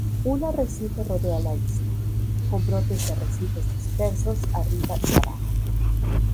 Un arrecife rodea la isla, con brotes de arrecifes dispersos arriba y abajo.